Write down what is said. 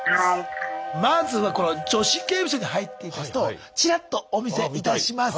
まずはこの「女子刑務所に入っていた人」をちらっとお見せいたします。